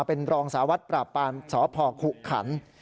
เป็นรองสาวัสดิ์ประปานสภขุขันต์